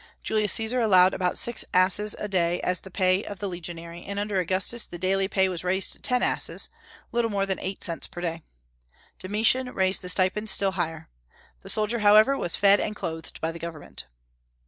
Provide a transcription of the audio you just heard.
Julius Caesar allowed about six asses a day as the pay of the legionary, and under Augustus the daily pay was raised to ten asses, little more than eight cents per day. Domitian raised the stipend still higher. The soldier, however, was fed and clothed by the government.